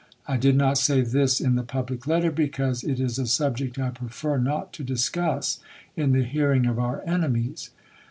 I did not say this in the public letter, because it is a subject I prefer not to discuss in the hearing of our enemies.